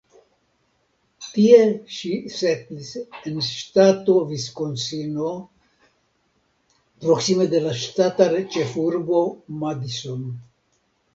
Tie ŝi setlis en ŝtato Viskonsino proksime de la ŝtata ĉefurbo Madison.